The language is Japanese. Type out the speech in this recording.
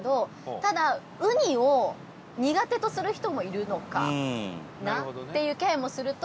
ただ、うにを苦手とする人もいるのかなっていう気配もすると。